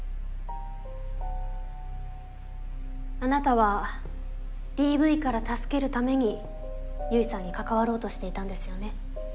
あなたはＤＶから助けるために結衣さんに関わろうとしていたんですよね？